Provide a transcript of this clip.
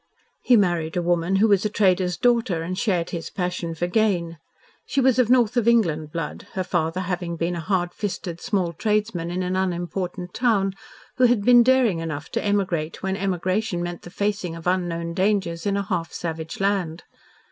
He married a woman who was a trader's daughter and shared his passion for gain. She was of North of England blood, her father having been a hard fisted small tradesman in an unimportant town, who had been daring enough to emigrate when emigration meant the facing of unknown dangers in a half savage land.